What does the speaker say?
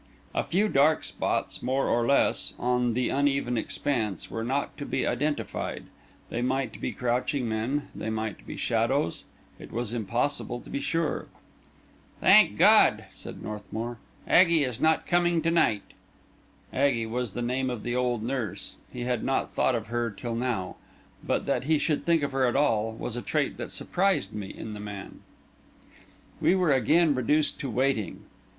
A few dark spots, more or less, on the uneven expanse were not to be identified; they might be crouching men, they might be shadows; it was impossible to be sure. "Thank God," said Northmour, "Aggie is not coming to night." Aggie was the name of the old nurse; he had not thought of her till now; but that he should think of her at all, was a trait that surprised me in the man. We were again reduced to waiting.